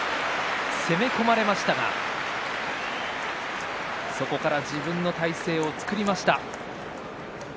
攻め込まれましたがそこから自分の体勢を作りました。